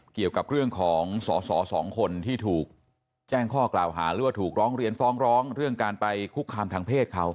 เกี่ยวกับเรื่องของสอสอสองคนที่ถูกแจ้งข้อกล่าวหาหรือว่าถูกร้องเรียนฟ้องร้องเรื่องการไปคุกคามทางเพศเขา